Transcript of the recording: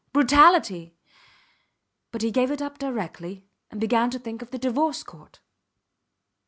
Brutality ... But he gave it up directly, and began to think of the Divorce Court.